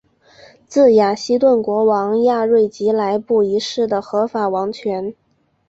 自雅西顿国王亚瑞吉来布一世的合法王权。